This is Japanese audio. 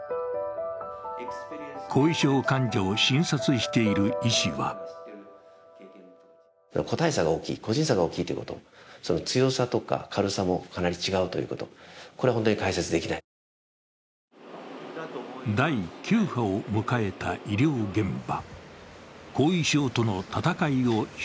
後遺症患者を診察している医師は第９波を迎えた医療現場。